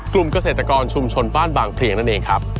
เกษตรกรชุมชนบ้านบางเพลียงนั่นเองครับ